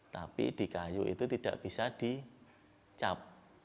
tapi di kayu itu tidak bisa dicap